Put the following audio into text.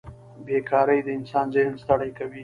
بېکارۍ د انسان ذهن ستړی کوي.